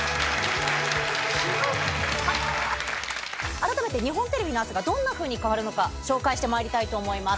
改めて日本テレビの朝がどんなふうに変わるのか紹介してまいりたいと思います